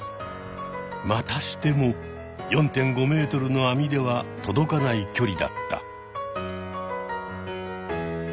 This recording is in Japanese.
またしても４．５ｍの網では届かない距離だった。